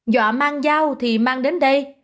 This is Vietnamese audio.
dọa mang dao thì mang đến đây